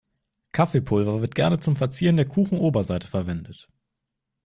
Kaffeepulver wird gerne zum Verzieren der Kuchenoberseite verwendet.